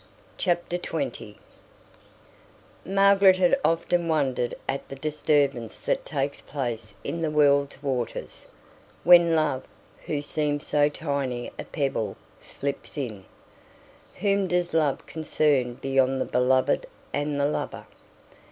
Chapter 20 Margaret had often wondered at the disturbance that takes place in the world's waters, when Love, who seems so tiny a pebble, slips in. Whom does Love concern beyond the beloved and the lover?